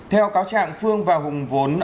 theo cáo trạng phương và hùng vốn